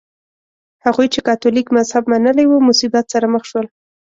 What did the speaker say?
هغوی چې کاتولیک مذهب منلی و مصیبت سره مخ شول.